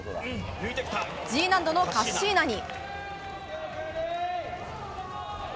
Ｇ難度のカッシーナに。